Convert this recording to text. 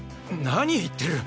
何言ってる！